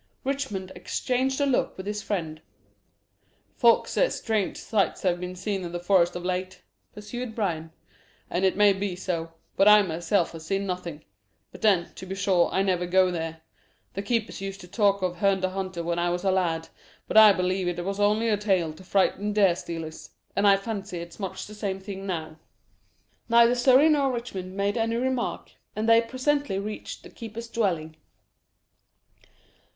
Richmond exchanged a look with his friend. "Folks say strange sights have been seen in the forest of late," pursued Bryan "and it may be so. But I myself have seen nothing but then, to be sure, I never go there. The keepers used to talk of Herne the Hunter when I was a lad, but I believe it was only a tale to frighten deer stealers; and I fancy it's much the same thing now." Neither Surrey nor Richmond made any remark, and they presently reached the keeper's dwelling.